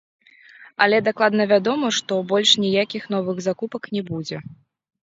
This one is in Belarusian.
Але дакладна вядома, што больш ніякіх новых закупак не будзе.